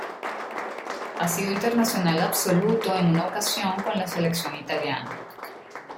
Ha sido internacional absoluto en una ocasión con la selección italiana.